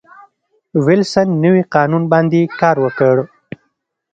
وېلسن نوي قانون باندې کار وکړ.